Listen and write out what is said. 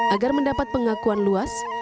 agar mendapat pengakuan luas